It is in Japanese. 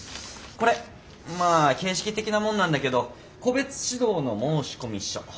これまあ形式的なもんなんだけど個別指導の申込書。